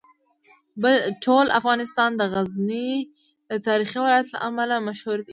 ټول افغانستان د غزني د تاریخي ولایت له امله مشهور دی.